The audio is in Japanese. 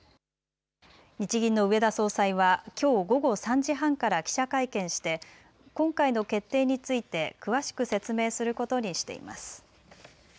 日銀の植田総裁はきょう午後３時半から記者会見して今回の決定について詳しく説明することにしています。